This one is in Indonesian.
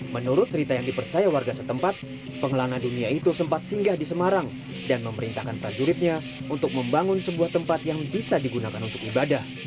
menurut cerita yang dipercaya warga setempat pengelana dunia itu sempat singgah di semarang dan memerintahkan prajuritnya untuk membangun sebuah tempat yang bisa digunakan untuk ibadah